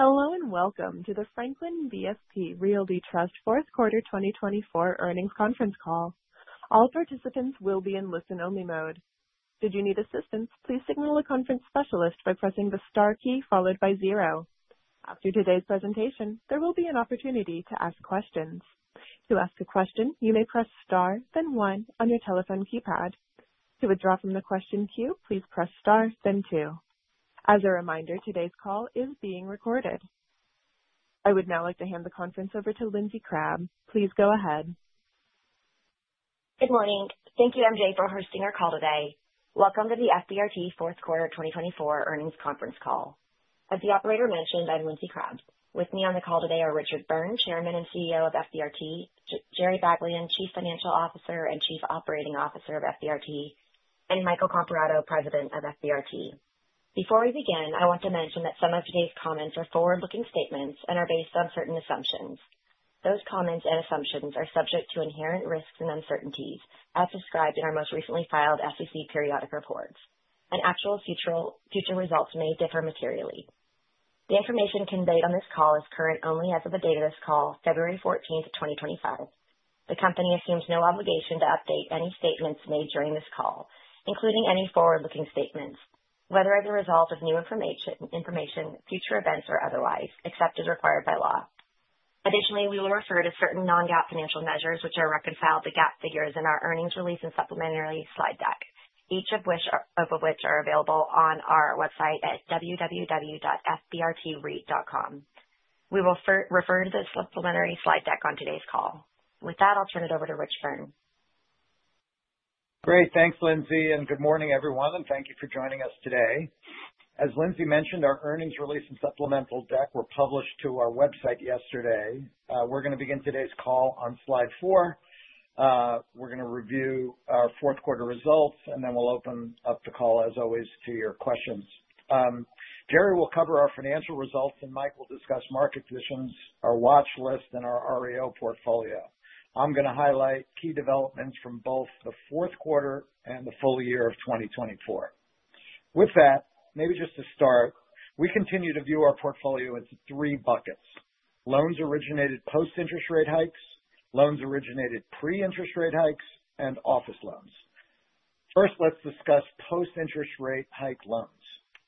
Hello, and welcome to the Franklin BSP Realty Trust fourth quarter 2024 earnings conference call. All participants will be in listen-only mode. Should you need assistance, please signal the conference specialist by pressing the star key followed by zero. After today's presentation, there will be an opportunity to ask questions. To ask a question, you may press star, then one, on your telephone keypad. To withdraw from the question queue, please press star, then two. As a reminder, today's call is being recorded. I would now like to hand the conference over to Lindsey Crabbe. Please go ahead. Good morning. Thank you, MJ, for hosting our call today. Welcome to the FBRT fourth quarter 2024 earnings conference call. As the operator mentioned, I'm Lindsey Crabbe. With me on the call today are Richard Byrne, Chairman and CEO of FBRT; Jerry Baglien, Chief Financial Officer and Chief Operating Officer of FBRT; and Michael Comparato, President of FBRT. Before we begin, I want to mention that some of today's comments are forward-looking statements and are based on certain assumptions. Those comments and assumptions are subject to inherent risks and uncertainties, as described in our most recently filed SEC periodic reports. And actual future results may differ materially. The information conveyed on this call is current only as of the date of this call, February 14th, 2025. The company assumes no obligation to update any statements made during this call, including any forward-looking statements, whether as a result of new information, future events, or otherwise, except as required by law. Additionally, we will refer to certain non-GAAP financial measures, which are reconciled to GAAP figures in our earnings release and supplementary slide deck, each of which are available on our website at www.fbrt.com. We will refer to this supplementary slide deck on today's call. With that, I'll turn it over to Rich Byrne. Great. Thanks, Lindsey, and good morning, everyone. Thank you for joining us today. As Lindsey mentioned, our earnings release and supplemental deck were published to our website yesterday. We're going to begin today's call on slide four. We're going to review our fourth quarter results, and then we'll open up the call, as always, to your questions. Jerry will cover our financial results, and Mike will discuss market positions, our watch list, and our REO portfolio. I'm going to highlight key developments from both the fourth quarter and the full year of 2024. With that, maybe just to start, we continue to view our portfolio into three buckets: loans originated post-interest rate hikes, loans originated pre-interest rate hikes, and office loans. First, let's discuss post-interest rate hike loans.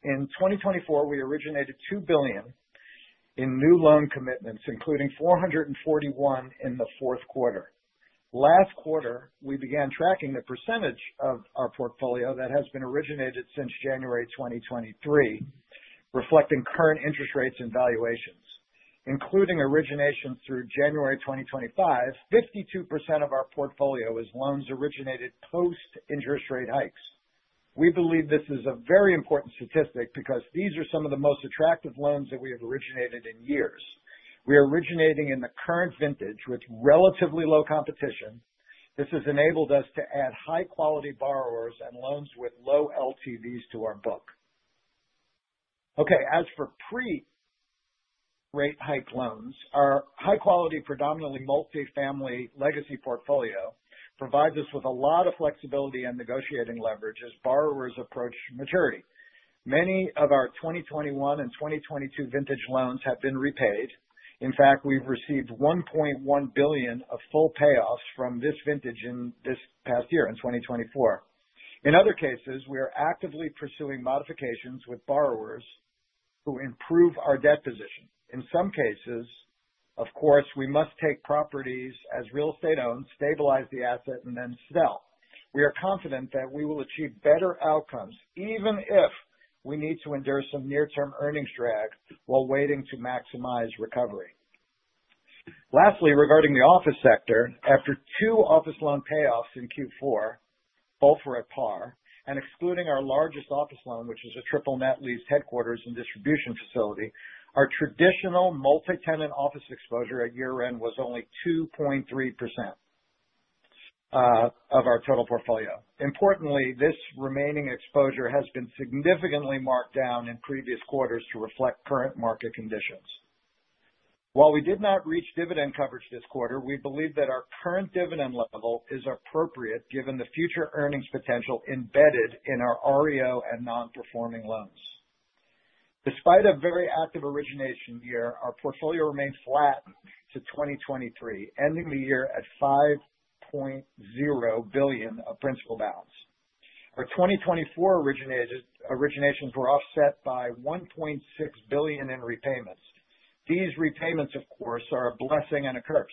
In 2024, we originated $2 billion in new loan commitments, including $441 in the fourth quarter. Last quarter, we began tracking the percentage of our portfolio that has been originated since January 2023, reflecting current interest rates and valuations, including origination through January 2025. 52% of our portfolio is loans originated post-interest rate hikes. We believe this is a very important statistic because these are some of the most attractive loans that we have originated in years. We are originating in the current vintage with relatively low competition. This has enabled us to add high-quality borrowers and loans with low LTVs to our book. Okay. As for pre-rate hike loans, our high-quality, predominantly multifamily legacy portfolio provides us with a lot of flexibility and negotiating leverage as borrowers approach maturity. Many of our 2021 and 2022 vintage loans have been repaid. In fact, we've received $1.1 billion of full payoffs from this vintage in this past year, in 2024. In other cases, we are actively pursuing modifications with borrowers who improve our debt position. In some cases, of course, we must take properties as real estate owned, stabilize the asset, and then sell. We are confident that we will achieve better outcomes even if we need to endure some near-term earnings drag while waiting to maximize recovery. Lastly, regarding the office sector, after two office loan payoffs in Q4, both were at par, and excluding our largest office loan, which is a triple net lease headquarters and distribution facility, our traditional multi-tenant office exposure at year-end was only 2.3% of our total portfolio. Importantly, this remaining exposure has been significantly marked down in previous quarters to reflect current market conditions. While we did not reach dividend coverage this quarter, we believe that our current dividend level is appropriate given the future earnings potential embedded in our REO and non-performing loans. Despite a very active origination year, our portfolio remained flat to 2023, ending the year at $5.0 billion of principal balance. Our 2024 originations were offset by $1.6 billion in repayments. These repayments, of course, are a blessing and a curse,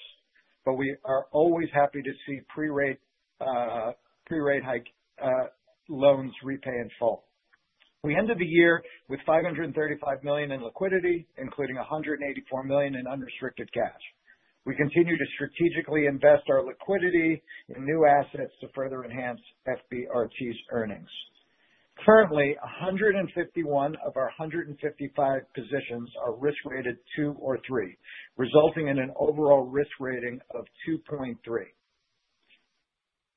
but we are always happy to see pre-rate hike loans repay in full. We ended the year with $535 million in liquidity, including $184 million in unrestricted cash. We continue to strategically invest our liquidity in new assets to further enhance FBRT's earnings. Currently, 151 of our 155 positions are risk-rated two or three, resulting in an overall risk rating of 2.3.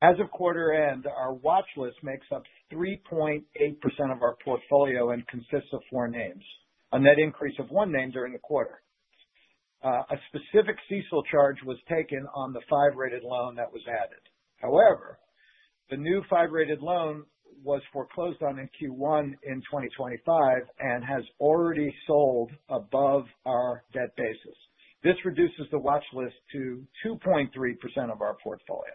As of quarter end, our watch list makes up 3.8% of our portfolio and consists of four names, a net increase of one name during the quarter. A specific CECL charge was taken on the five-rated loan that was added. However, the new five-rated loan was foreclosed on in Q1 in 2025 and has already sold above our debt basis. This reduces the watch list to 2.3% of our portfolio.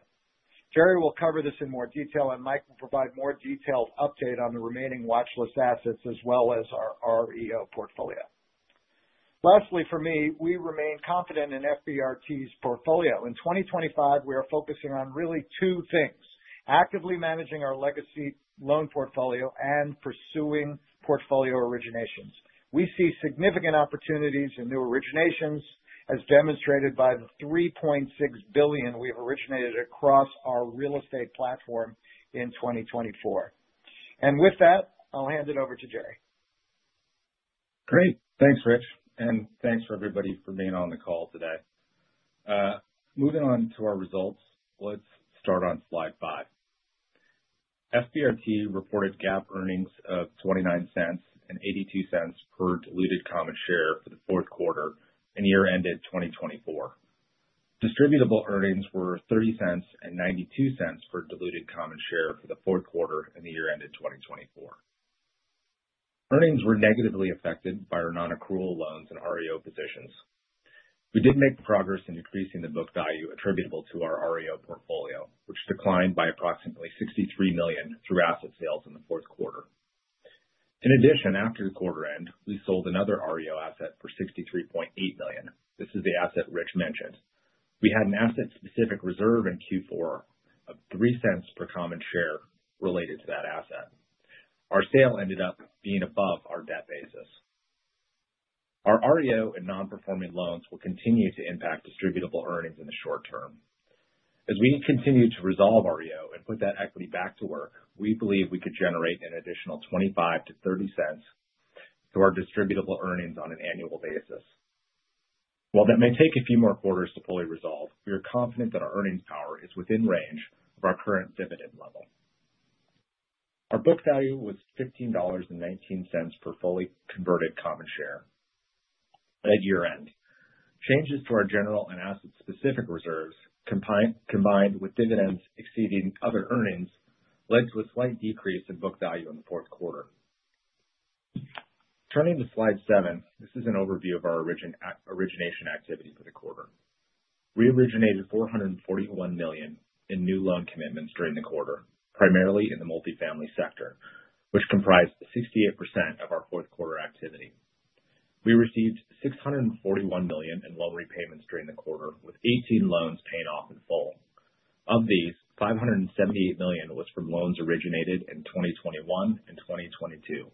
Jerry will cover this in more detail, and Mike will provide more detailed update on the remaining watch list assets as well as our REO portfolio. Lastly, for me, we remain confident in FBRT's portfolio. In 2025, we are focusing on really two things: actively managing our legacy loan portfolio and pursuing portfolio originations. We see significant opportunities in new originations, as demonstrated by the $3.6 billion we have originated across our real estate platform in 2024. And with that, I'll hand it over to Jerry. Great. Thanks, Rich. And thanks for everybody for being on the call today. Moving on to our results, let's start on slide five. FBRT reported GAAP earnings of $0.29 and $0.82 per diluted common share for the fourth quarter and year-ended 2024. Distributable earnings were $0.30 and $0.92 per diluted common share for the fourth quarter and the year-ended 2024. Earnings were negatively affected by our non-accrual loans and REO positions. We did make progress in increasing the book value attributable to our REO portfolio, which declined by approximately $63 million through asset sales in the fourth quarter. In addition, after the quarter end, we sold another REO asset for $63.8 million. This is the asset Rich mentioned. We had an asset-specific reserve in Q4 of $0.03 per common share related to that asset. Our sale ended up being above our debt basis. Our REO and non-performing loans will continue to impact distributable earnings in the short term. As we continue to resolve REO and put that equity back to work, we believe we could generate an additional $0.25-$0.30 to our distributable earnings on an annual basis. While that may take a few more quarters to fully resolve, we are confident that our earnings power is within range of our current dividend level. Our book value was $15.19 per fully converted common share at year-end. Changes to our general and asset-specific reserves, combined with dividends exceeding other earnings, led to a slight decrease in book value in the fourth quarter. Turning to slide seven, this is an overview of our origination activity for the quarter. We originated $441 million in new loan commitments during the quarter, primarily in the multifamily sector, which comprised 68% of our fourth quarter activity. We received $641 million in loan repayments during the quarter, with 18 loans paying off in full. Of these, $578 million was from loans originated in 2021 and 2022,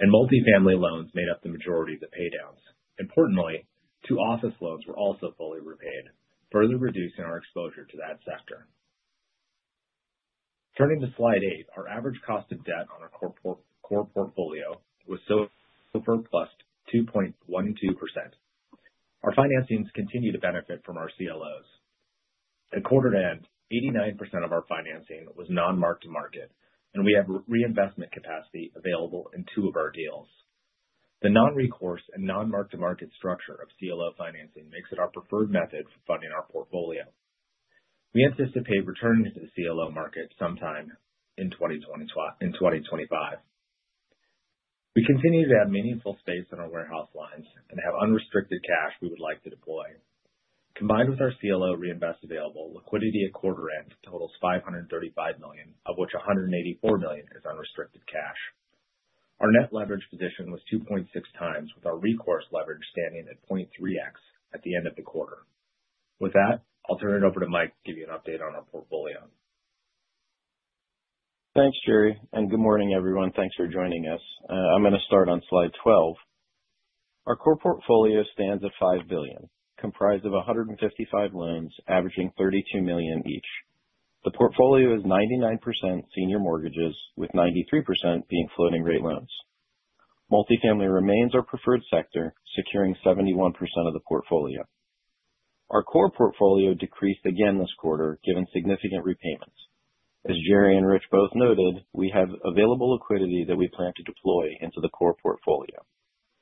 and multifamily loans made up the majority of the paydowns. Importantly, two office loans were also fully repaid, further reducing our exposure to that sector. Turning to slide eight, our average cost of debt on our core portfolio was SOFR plus 2.12%. Our financings continue to benefit from our CLOs. At quarter end, 89% of our financing was non-mark-to-market, and we have reinvestment capacity available in two of our deals. The non-recourse and non-mark-to-market structure of CLO financing makes it our preferred method for funding our portfolio. We anticipate returning to the CLO market sometime in 2025. We continue to have meaningful space on our warehouse lines and have unrestricted cash we would like to deploy. Combined with our CLO reinvestment available, liquidity at quarter end totals $535 million, of which $184 million is unrestricted cash. Our net leverage position was 2.6x, with our recourse leverage standing at 0.3x at the end of the quarter. With that, I'll turn it over to Mike to give you an update on our portfolio. Thanks, Jerry. And good morning, everyone. Thanks for joining us. I'm going to start on slide 12. Our core portfolio stands at $5 billion, comprised of 155 loans averaging $32 million each. The portfolio is 99% senior mortgages, with 93% being floating-rate loans. Multifamily remains our preferred sector, securing 71% of the portfolio. Our core portfolio decreased again this quarter, given significant repayments. As Jerry and Rich both noted, we have available liquidity that we plan to deploy into the core portfolio.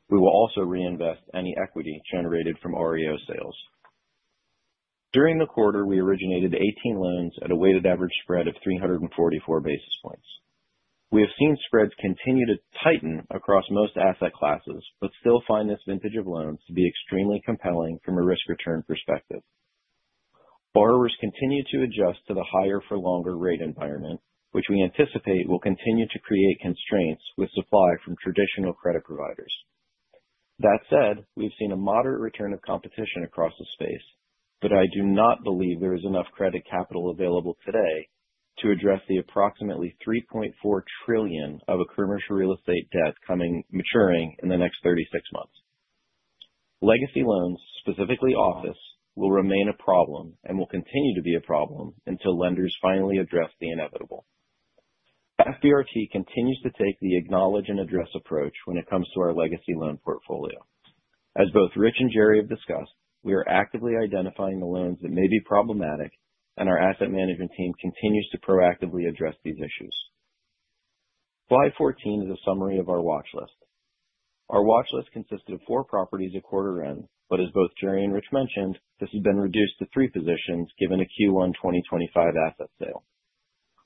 We will also reinvest any equity generated from REO sales. During the quarter, we originated 18 loans at a weighted average spread of 344 basis points. We have seen spreads continue to tighten across most asset classes, but still find this vintage of loans to be extremely compelling from a risk-return perspective. Borrowers continue to adjust to the higher-for-longer rate environment, which we anticipate will continue to create constraints with supply from traditional credit providers. That said, we've seen a moderate return of competition across the space, but I do not believe there is enough credit capital available today to address the approximately $3.4 trillion of commercial real estate debt coming maturing in the next 36 months. Legacy loans, specifically office, will remain a problem and will continue to be a problem until lenders finally address the inevitable. FBRT continues to take the acknowledge and address approach when it comes to our legacy loan portfolio. As both Rich and Jerry have discussed, we are actively identifying the loans that may be problematic, and our asset management team continues to proactively address these issues. Slide 14 is a summary of our watch list. Our watch list consisted of four properties at quarter end, but as both Jerry and Rich mentioned, this has been reduced to three positions given a Q1 2025 asset sale.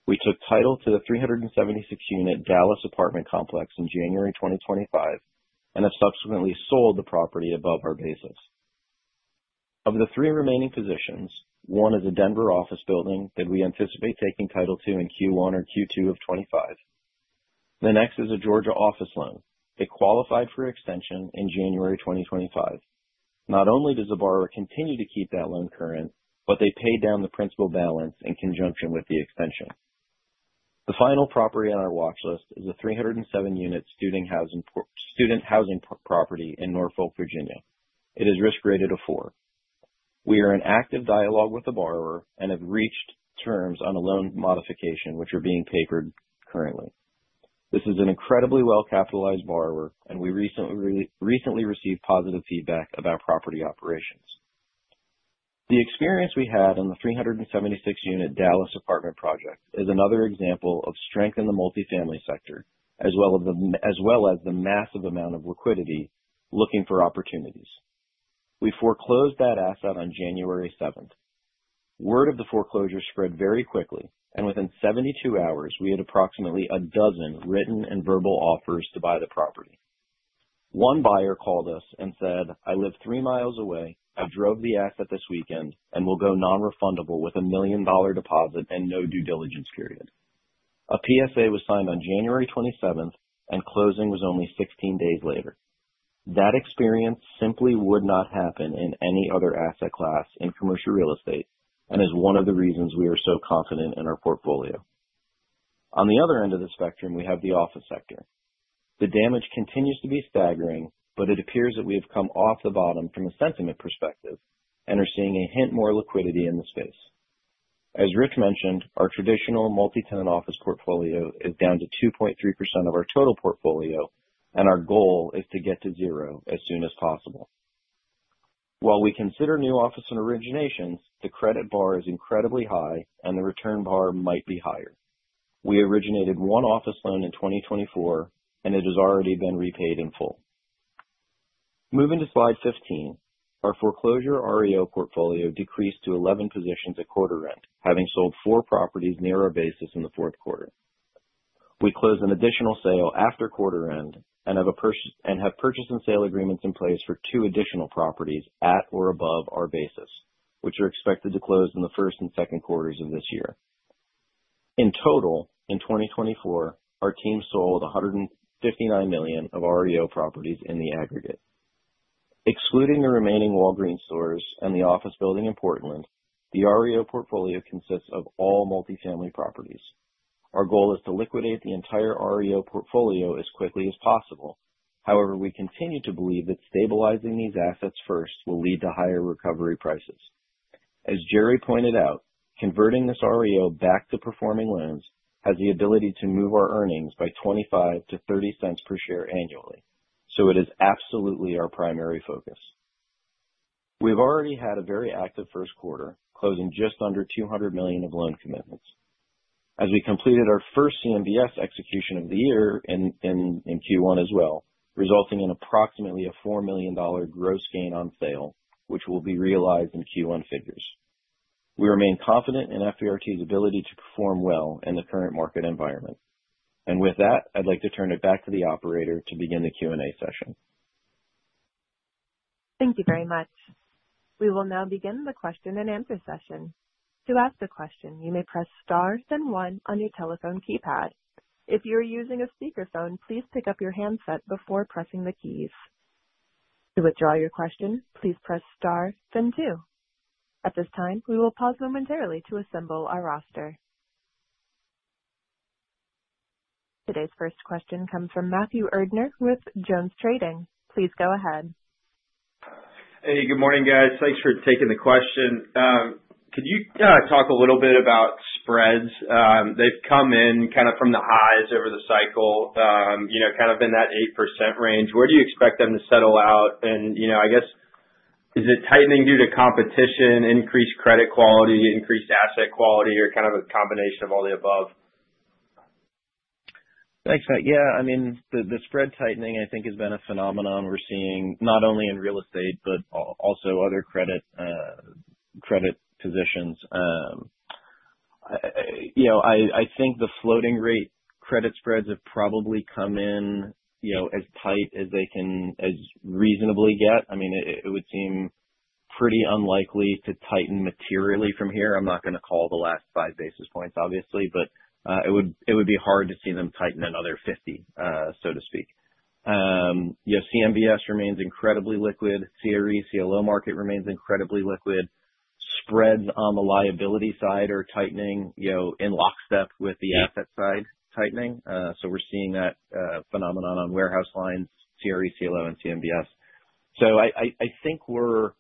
We took title to the 376-unit Dallas apartment complex in January 2025 and have subsequently sold the property above our basis. Of the three remaining positions, one is a Denver office building that we anticipate taking title to in Q1 or Q2 of 2025. The next is a Georgia office loan. It qualified for extension in January 2025. Not only does the borrower continue to keep that loan current, but they pay down the principal balance in conjunction with the extension. The final property on our watch list is a 307-unit student housing property in Norfolk, Virginia. It is risk-rated a four. We are in active dialogue with the borrower and have reached terms on a loan modification, which are being papered currently. This is an incredibly well-capitalized borrower, and we recently received positive feedback about property operations. The experience we had in the 376-unit Dallas apartment project is another example of strength in the multifamily sector, as well as the massive amount of liquidity looking for opportunities. We foreclosed that asset on January 7th. Word of the foreclosure spread very quickly, and within 72 hours, we had approximately a dozen written and verbal offers to buy the property. One buyer called us and said, "I live three miles away. I drove the asset this weekend and will go non-refundable with a $1 million deposit and no due diligence period." A PSA was signed on January 27th, and closing was only 16 days later. That experience simply would not happen in any other asset class in commercial real estate and is one of the reasons we are so confident in our portfolio. On the other end of the spectrum, we have the office sector. The damage continues to be staggering, but it appears that we have come off the bottom from a sentiment perspective and are seeing a hint more liquidity in the space. As Rich mentioned, our traditional multi-tenant office portfolio is down to 2.3% of our total portfolio, and our goal is to get to zero as soon as possible. While we consider new office originations, the credit bar is incredibly high, and the return bar might be higher. We originated one office loan in 2024, and it has already been repaid in full. Moving to slide 15, our foreclosure REO portfolio decreased to 11 positions at quarter end, having sold four properties near our basis in the fourth quarter. We closed an additional sale after quarter end and have purchase and sale agreements in place for two additional properties at or above our basis, which are expected to close in the first and second quarters of this year. In total, in 2024, our team sold $159 million of REO properties in the aggregate. Excluding the remaining Walgreens stores and the office building in Portland, the REO portfolio consists of all multifamily properties. Our goal is to liquidate the entire REO portfolio as quickly as possible. However, we continue to believe that stabilizing these assets first will lead to higher recovery prices. As Jerry pointed out, converting this REO back to performing loans has the ability to move our earnings by $0.25-$0.30 per share annually, so it is absolutely our primary focus. We've already had a very active first quarter, closing just under $200 million of loan commitments. As we completed our first CMBS execution of the year in Q1 as well, resulting in approximately a $4 million gross gain on sale, which will be realized in Q1 figures. We remain confident in FBRT's ability to perform well in the current market environment, and with that, I'd like to turn it back to the operator to begin the Q&A session. Thank you very much. We will now begin the question and answer session. To ask a question, you may press star, then one on your telephone keypad. If you are using a speakerphone, please pick up your handset before pressing the keys. To withdraw your question, please press star, then two. At this time, we will pause momentarily to assemble our roster. Today's first question comes from Matthew Erdner with JonesTrading. Please go ahead. Hey, good morning, guys. Thanks for taking the question. Could you talk a little bit about spreads? They've come in kind of from the highs over the cycle, kind of in that 8% range. Where do you expect them to settle out? And I guess, is it tightening due to competition, increased credit quality, increased asset quality, or kind of a combination of all the above? Thanks. Yeah. I mean, the spread tightening, I think, has been a phenomenon we're seeing not only in real estate, but also other credit positions. I think the floating-rate credit spreads have probably come in as tight as they can reasonably get. I mean, it would seem pretty unlikely to tighten materially from here. I'm not going to call the last five basis points, obviously, but it would be hard to see them tighten another 50, so to speak. CMBS remains incredibly liquid. CRE CLO market remains incredibly liquid. Spreads on the liability side are tightening in lockstep with the asset side tightening. So we're seeing that phenomenon on warehouse lines, CRE CLO, and CMBS. So I think we're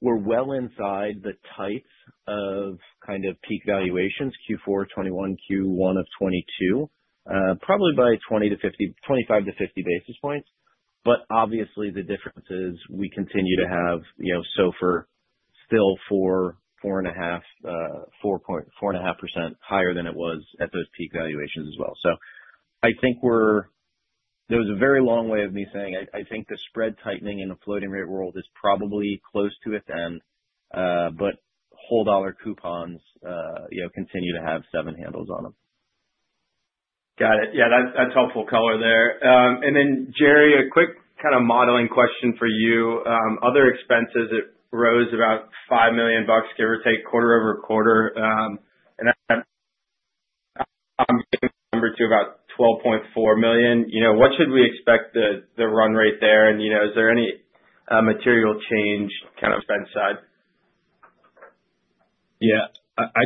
well inside the tights of kind of peak valuations, Q4 2021, Q1 of 2022, probably by 25-50 basis points. But obviously, the difference is we continue to have SOFR, still 4.5% higher than it was at those peak valuations as well. So I think there was a very long way of me saying I think the spread tightening in the floating-rate world is probably close to a 10, but whole dollar coupons continue to have seven handles on them. Got it. Yeah, that's helpful color there. And then, Jerry, a quick kind of modeling question for you. Other expenses that rose about $5 million, give or take, quarter-over-quarter, and that number to about $12.4 million. What should we expect the run rate there? And is there any material change kind of spend side? Yeah.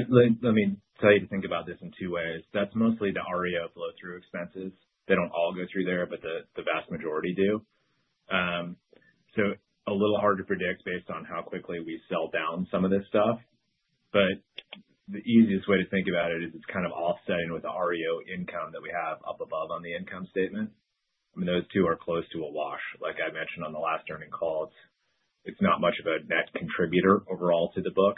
Let me tell you to think about this in two ways. That's mostly the REO flow-through expenses. They don't all go through there, but the vast majority do. So a little hard to predict based on how quickly we sell down some of this stuff. But the easiest way to think about it is it's kind of offsetting with the REO income that we have up above on the income statement. I mean, those two are close to a wash. Like I mentioned on the last earnings calls, it's not much of a net contributor overall to the book.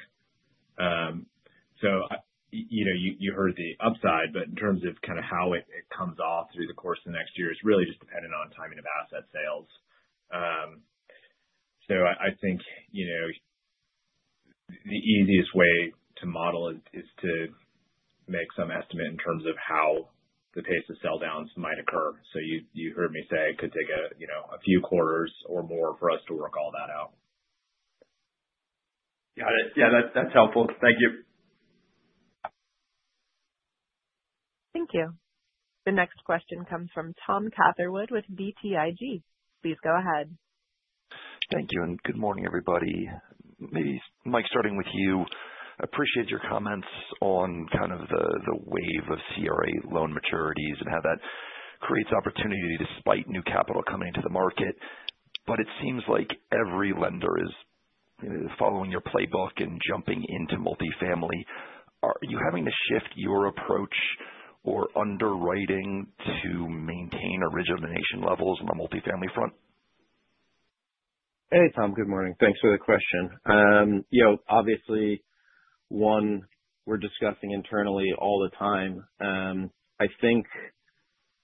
So you heard the upside, but in terms of kind of how it comes off through the course of the next year, it's really just dependent on timing of asset sales. So I think the easiest way to model it is to make some estimate in terms of how the pace of sell-downs might occur. So you heard me say it could take a few quarters or more for us to work all that out. Got it. Yeah, that's helpful. Thank you. Thank you. The next question comes from Tom Catherwood with BTIG. Please go ahead. Thank you and good morning, everybody. Maybe Mike, starting with you, appreciate your comments on kind of the wave of CRE loan maturities and how that creates opportunity despite new capital coming into the market. But it seems like every lender is following your playbook and jumping into multifamily. Are you having to shift your approach or underwriting to maintain original origination levels on the multifamily front? Hey, Tom. Good morning. Thanks for the question. Obviously, one, we're discussing internally all the time. I think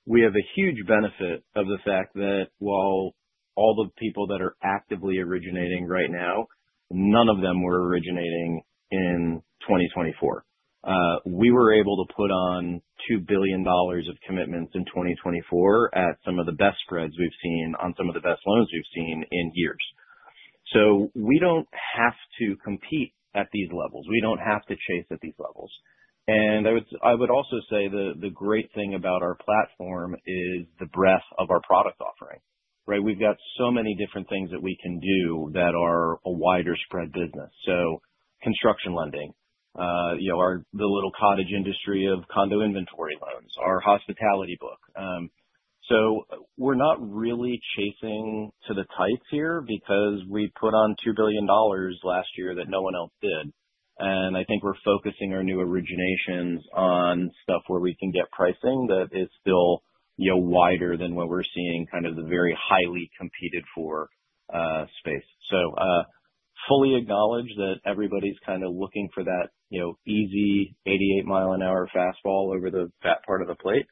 we have a huge benefit of the fact that while all the people that are actively originating right now, none of them were originating in 2024. We were able to put on $2 billion of commitments in 2024 at some of the best spreads we've seen on some of the best loans we've seen in years. So we don't have to compete at these levels. We don't have to chase at these levels. And I would also say the great thing about our platform is the breadth of our product offering. We've got so many different things that we can do that are a wider spread business. So construction lending, the little cottage industry of condo inventory loans, our hospitality book. So, we're not really chasing to the tights here because we put on $2 billion last year that no one else did. And I think we're focusing our new originations on stuff where we can get pricing that is still wider than what we're seeing kind of the very highly competed-for space. So fully acknowledge that everybody's kind of looking for that easy 88-mile-per-hour fastball over the fat part of the plate,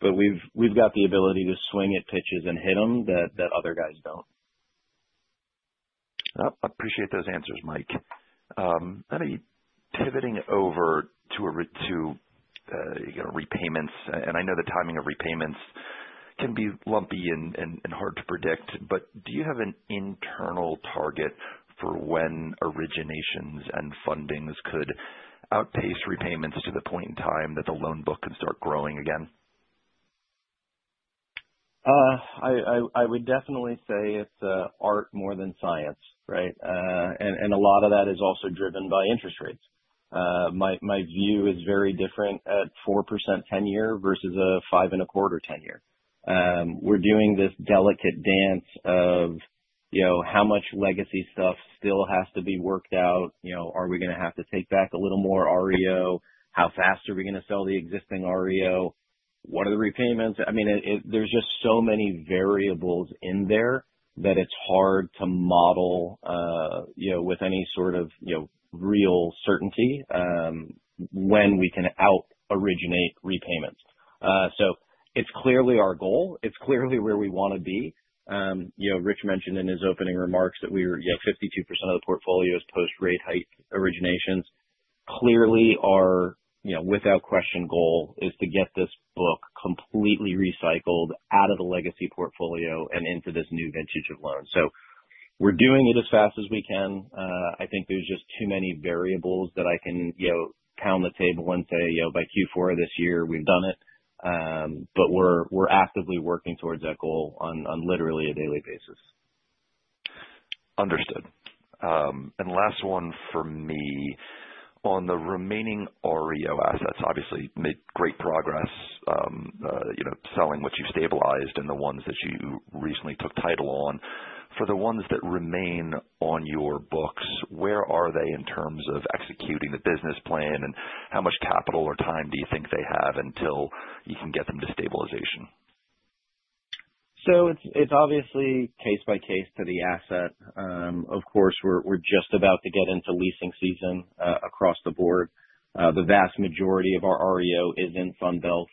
but we've got the ability to swing at pitches and hit them that other guys don't. I appreciate those answers, Mike. Let me pivot over to repayments, and I know the timing of repayments can be lumpy and hard to predict, but do you have an internal target for when originations and fundings could outpace repayments to the point in time that the loan book can start growing again? I would definitely say it's art more than science, right? And a lot of that is also driven by interest rates. My view is very different at 4% 10-year versus a 5 and a quarter 10-year. We're doing this delicate dance of how much legacy stuff still has to be worked out. Are we going to have to take back a little more REO? How fast are we going to sell the existing REO? What are the repayments? I mean, there's just so many variables in there that it's hard to model with any sort of real certainty when we can out-originate repayments. So it's clearly our goal. It's clearly where we want to be. Rich mentioned in his opening remarks that we were 52% of the portfolio is post-rate hike originations. Clearly, our without question goal is to get this book completely recycled out of the legacy portfolio and into this new vintage of loans. So we're doing it as fast as we can. I think there's just too many variables that I can pound the table and say, "By Q4 of this year, we've done it." But we're actively working towards that goal on literally a daily basis. Understood. And last one for me. On the remaining REO assets, obviously, made great progress selling what you stabilized and the ones that you recently took title on. For the ones that remain on your books, where are they in terms of executing the business plan, and how much capital or time do you think they have until you can get them to stabilization? So it's obviously case by case to the asset. Of course, we're just about to get into leasing season across the board. The vast majority of our REO is in Sun Belt,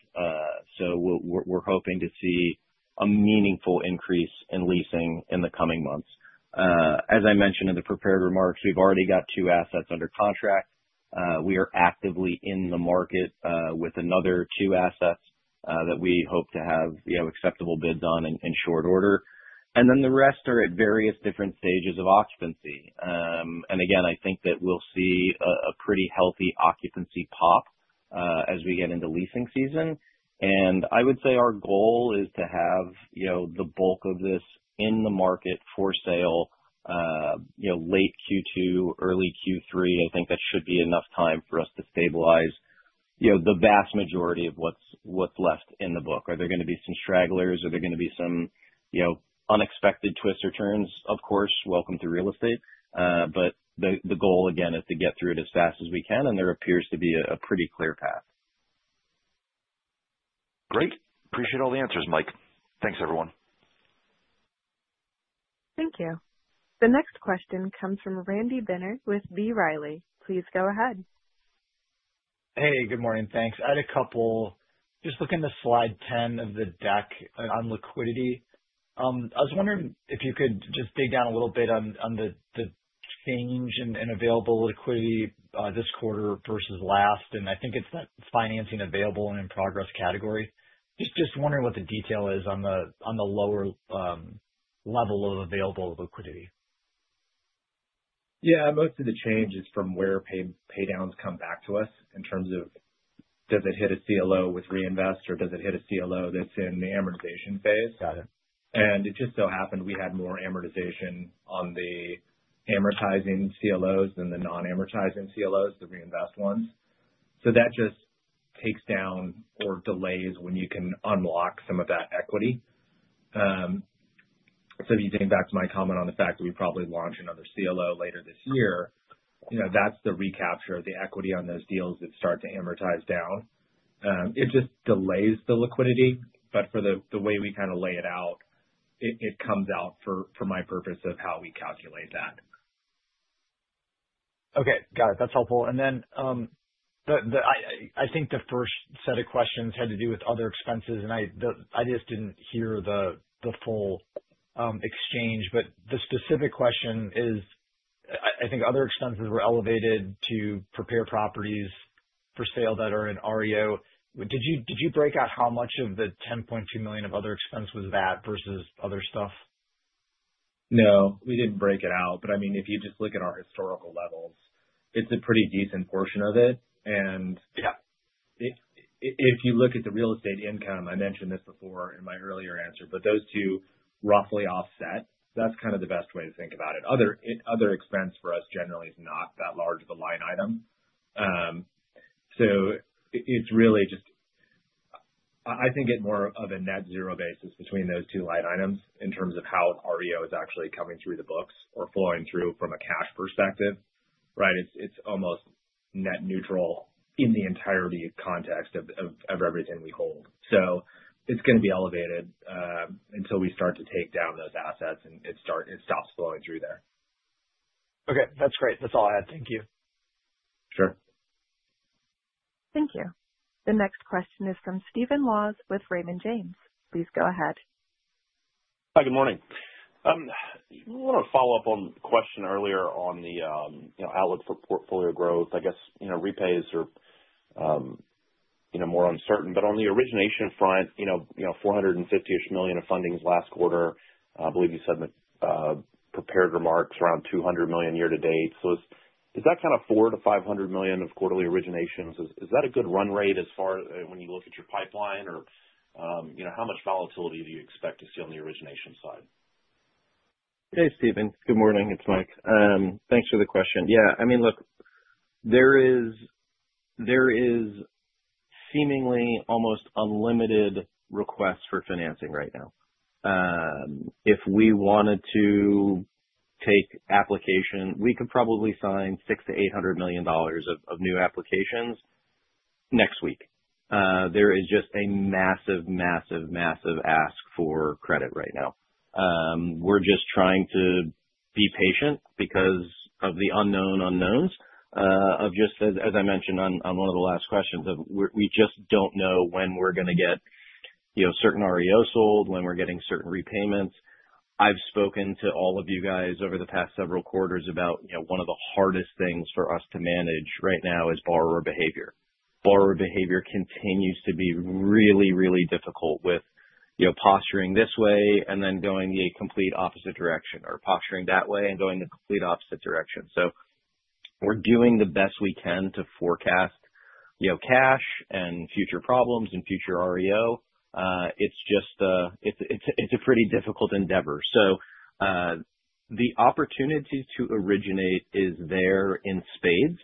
so we're hoping to see a meaningful increase in leasing in the coming months. As I mentioned in the prepared remarks, we've already got two assets under contract. We are actively in the market with another two assets that we hope to have acceptable bids on in short order. And then the rest are at various different stages of occupancy. And again, I think that we'll see a pretty healthy occupancy pop as we get into leasing season. And I would say our goal is to have the bulk of this in the market for sale, late Q2, early Q3. I think that should be enough time for us to stabilize the vast majority of what's left in the book. Are there going to be some stragglers? Are there going to be some unexpected twists or turns? Of course, welcome to real estate, but the goal, again, is to get through it as fast as we can, and there appears to be a pretty clear path. Great. Appreciate all the answers, Mike. Thanks, everyone. Thank you. The next question comes from Randy Binner with B. Riley. Please go ahead. Hey, good morning. Thanks. I had a couple, just looking at slide 10 of the deck on liquidity. I was wondering if you could just dig down a little bit on the change in available liquidity this quarter versus last, and I think it's that financing available and in progress category. Just wondering what the detail is on the lower level of available liquidity? Yeah. Most of the change is from where paydowns come back to us in terms of does it hit a CLO with reinvest, or does it hit a CLO that's in the amortization phase? And it just so happened we had more amortization on the amortizing CLOs than the non-amortizing CLOs, the reinvest ones. So that just takes down or delays when you can unlock some of that equity. So if you think back to my comment on the fact that we probably launch another CLO later this year, that's the recapture of the equity on those deals that start to amortize down. It just delays the liquidity. But for the way we kind of lay it out, it comes out for my purpose of how we calculate that. Okay. Got it. That's helpful. And then I think the first set of questions had to do with other expenses, and I just didn't hear the full exchange. But the specific question is, I think other expenses were elevated to prepare properties for sale that are in REO. Did you break out how much of the $10.2 million of other expense was that versus other stuff? No. We didn't break it out. But I mean, if you just look at our historical levels, it's a pretty decent portion of it. And if you look at the real estate income, I mentioned this before in my earlier answer, but those two roughly offset. That's kind of the best way to think about it. Other expense for us generally is not that large of a line item. So it's really just, I think, it's more of a net zero basis between those two line items in terms of how REO is actually coming through the books or flowing through from a cash perspective, right? It's almost net neutral in the entirety of context of everything we hold. So it's going to be elevated until we start to take down those assets and it stops flowing through there. Okay. That's great. That's all I had. Thank you. Sure. Thank you. The next question is from Stephen Laws with Raymond James. Please go ahead. Hi, good morning. I want to follow up on the question earlier on the outlook for portfolio growth. I guess repays are more uncertain. But on the origination front, $450 million-ish of fundings last quarter, I believe you said in the prepared remarks, around $200 million year to date. So is that kind of $400 million-$500 million of quarterly originations? Is that a good run rate as far as when you look at your pipeline? Or how much volatility do you expect to see on the origination side? Hey, Stephen. Good morning. It's Mike. Thanks for the question. Yeah. I mean, look, there is seemingly almost unlimited requests for financing right now. If we wanted to take application, we could probably sign $600 million-$800 million of new applications next week. There is just a massive, massive, massive ask for credit right now. We're just trying to be patient because of the unknown unknowns of just, as I mentioned on one of the last questions, we just don't know when we're going to get certain REO sold, when we're getting certain repayments. I've spoken to all of you guys over the past several quarters about one of the hardest things for us to manage right now is borrower behavior. Borrower behavior continues to be really, really difficult with posturing this way and then going the complete opposite direction or posturing that way and going the complete opposite direction. So we're doing the best we can to forecast cash and future problems and future REO. It's a pretty difficult endeavor. So the opportunity to originate is there in spades.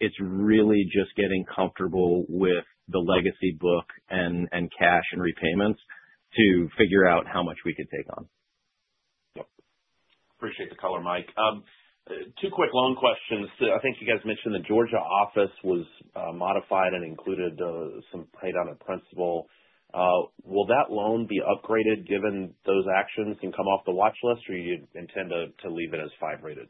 It's really just getting comfortable with the legacy book and cash and repayments to figure out how much we could take on. Appreciate the color, Mike. Two quick loan questions. I think you guys mentioned the Georgia office was modified and included some paydown on principal. Will that loan be upgraded given those actions and come off the watch list, or do you intend to leave it as five rated?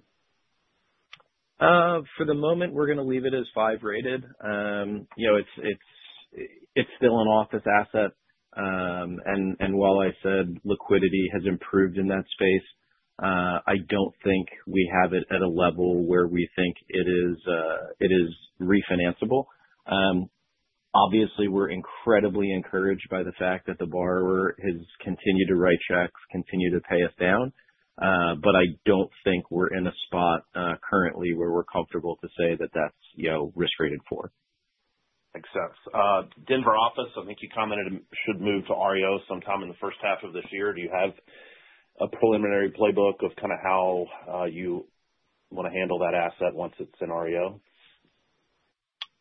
For the moment, we're going to leave it as five rated. It's still an office asset. And while I said liquidity has improved in that space, I don't think we have it at a level where we think it is refinanceable. Obviously, we're incredibly encouraged by the fact that the borrower has continued to write checks, continue to pay us down. But I don't think we're in a spot currently where we're comfortable to say that that's risk rated four. Makes sense. Denver office, I think you commented should move to REO sometime in the first half of this year. Do you have a preliminary playbook of kind of how you want to handle that asset once it's in REO?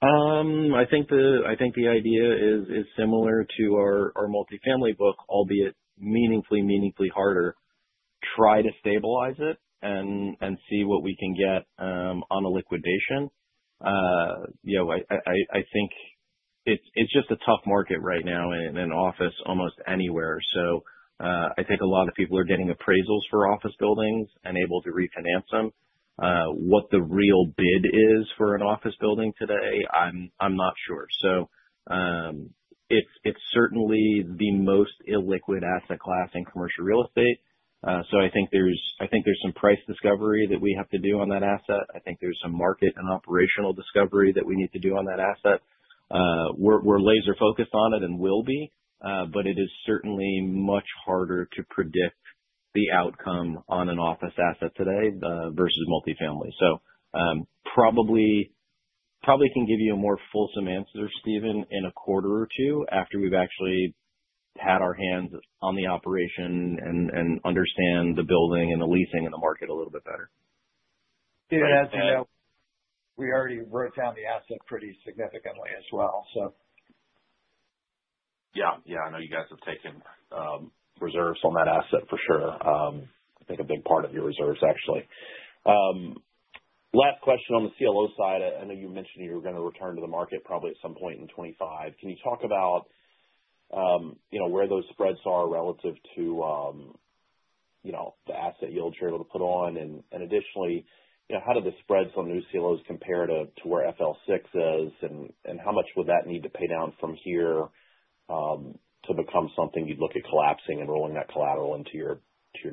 I think the idea is similar to our multifamily book, albeit meaningfully, meaningfully harder. Try to stabilize it and see what we can get on a liquidation. I think it's just a tough market right now in an office almost anywhere, so I think a lot of people are getting appraisals for office buildings and able to refinance them. What the real bid is for an office building today, I'm not sure, so it's certainly the most illiquid asset class in commercial real estate, so I think there's some price discovery that we have to do on that asset. I think there's some market and operational discovery that we need to do on that asset. We're laser-focused on it and will be, but it is certainly much harder to predict the outcome on an office asset today versus multifamily. So probably can give you a more fulsome answer, Stephen, in a quarter or two after we've actually had our hands on the operation and understand the building and the leasing and the market a little bit better. Stephen, as you know, we already wrote down the asset pretty significantly as well, so. Yeah. Yeah. I know you guys have taken reserves on that asset for sure. I think a big part of your reserves, actually. Last question on the CLO side. I know you mentioned you were going to return to the market probably at some point in 2025. Can you talk about where those spreads are relative to the asset yields you're able to put on? And additionally, how do the spreads on new CLOs compare to where FL6 is? And how much would that need to pay down from here to become something you'd look at collapsing and rolling that collateral into your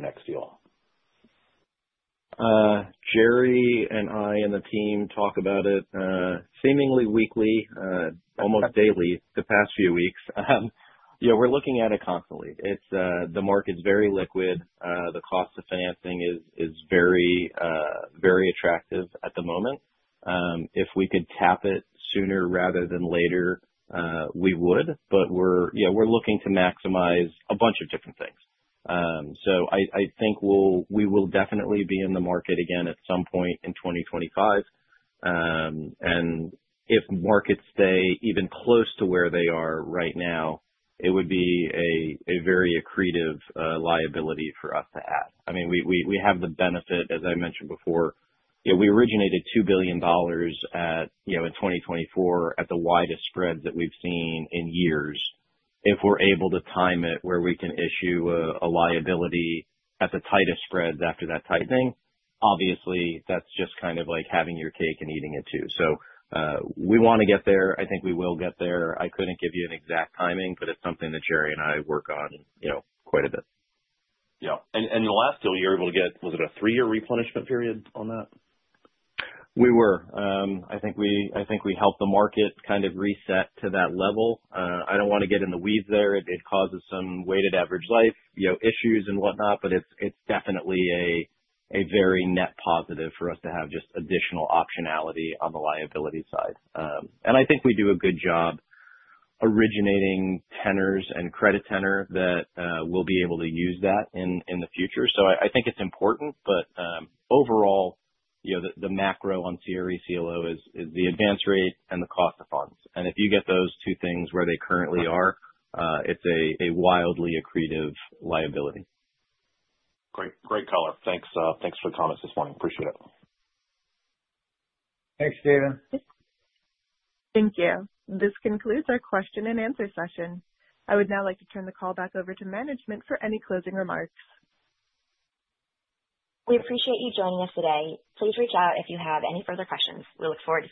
next deal? Jerry and I and the team talk about it seemingly weekly, almost daily the past few weeks. We're looking at it constantly. The market's very liquid. The cost of financing is very, very attractive at the moment. If we could tap it sooner rather than later, we would. But we're looking to maximize a bunch of different things. So I think we will definitely be in the market again at some point in 2025. And if markets stay even close to where they are right now, it would be a very accretive liability for us to add. I mean, we have the benefit, as I mentioned before. We originated $2 billion in 2024 at the widest spreads that we've seen in years. If we're able to time it where we can issue a liability at the tightest spreads after that tightening, obviously, that's just kind of like having your cake and eating it too. So we want to get there. I think we will get there. I couldn't give you an exact timing, but it's something that Jerry and I work on quite a bit. Yeah. And in the last deal, you were able to get - was it a three-year replenishment period on that? We were. I think we helped the market kind of reset to that level. I don't want to get in the weeds there. It causes some weighted average life issues and whatnot, but it's definitely a very net positive for us to have just additional optionality on the liability side. And I think we do a good job originating tenors and credit tenor that will be able to use that in the future. So I think it's important. But overall, the macro on CRE CLO is the advance rate and the cost of funds. And if you get those two things where they currently are, it's a wildly accretive liability. Great. Great color. Thanks for the comments this morning. Appreciate it. Thanks, Stephen. Thank you. This concludes our question and answer session. I would now like to turn the call back over to management for any closing remarks. We appreciate you joining us today. Please reach out if you have any further questions. We look forward to.